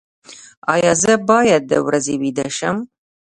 ایا زه باید د ورځې ویده شم؟